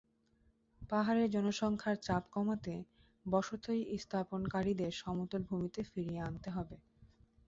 পাহাড়ের জনসংখ্যার চাপ কমাতে বসতি স্থাপনকারীদের সমতল ভূমিতে ফিরিয়ে আনতে হবে।